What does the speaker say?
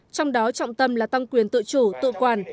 trong đó trọng tâm là tăng quyền tự chủ tự quản